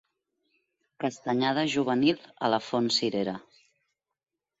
Castanyada juvenil a la font Cirera.